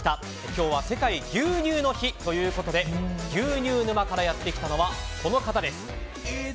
今日は世界牛乳の日ということで牛乳沼からやってきたのはこの方です。